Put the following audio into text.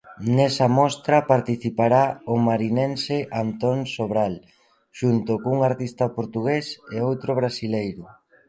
Nesa mostra participará o marinense Antón Sobral, xunto cun artista portugués e outro brasileiro.